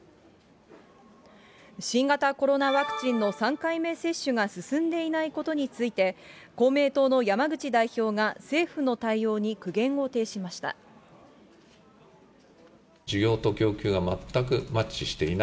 新型コロナワクチンの３回目接種が進んでいないことについて、公明党の山口代表が政府の対応に苦言を呈しました。